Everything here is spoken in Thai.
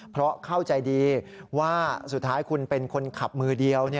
เพราะเข้าใจดีว่าสุดท้ายคุณเป็นคนขับมือเดียว